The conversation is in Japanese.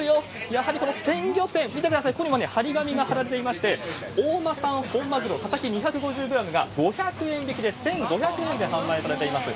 やはりこの鮮魚店、見てください、ここに貼り紙が貼られていまして、大間産ホンマグロたたき２５０グラムが５００円引きで１５００円で販売されています。